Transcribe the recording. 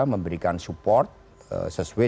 memberikan support sesuai